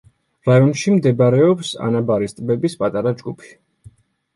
რაიონში მდებარეობს ანაბარის ტბების პატარა ჯგუფი.